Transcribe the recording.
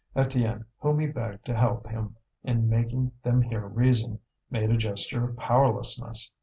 Étienne, whom he begged to help him in making them hear reason, made a gesture of powerlessness.